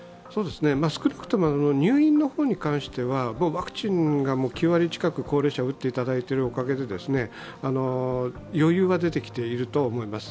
少なくとも入院の方に関しては、ワクチンが９割近く、高齢者が打っていただいているおかげで余裕が出てきていると思います。